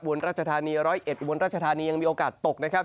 ราชธานี๑๐๑อุบลราชธานียังมีโอกาสตกนะครับ